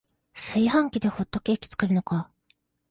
炊飯器でホットケーキ作るのか